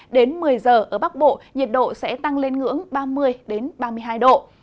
đến một mươi giờ ở bắc bộ nhiệt độ sẽ tăng lên ngưỡng ba mươi ba mươi hai độ